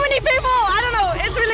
saya tidak tahu ini sangat keren